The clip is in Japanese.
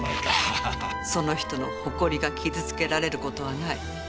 その人の誇りが傷つけられることはない。